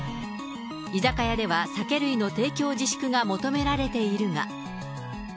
居酒屋では酒類の提供自粛が求められているが。